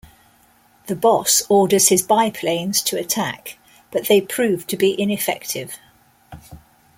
The Boss orders his biplanes to attack, but they prove to be ineffective.